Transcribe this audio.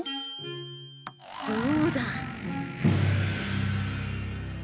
そうだ！